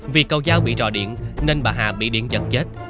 vì cầu dao bị rò điện nên bà hà bị điện giật chết